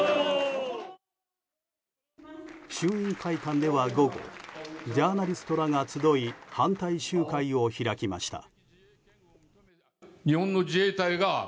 衆院会館では午後ジャーナリストらが集い反対集会を開きました。